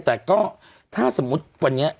แต่ก็ถ้าสมมุติวันนี้